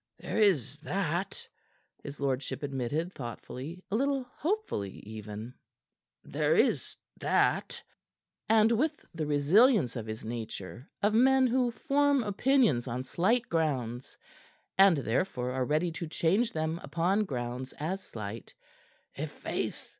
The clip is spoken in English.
"There is that," his lordship admitted thoughtfully, a little hopefully, even; "there is that." And with the resilience of his nature of men who form opinions on slight grounds, and, therefore, are ready to change them upon grounds as slight "I' faith!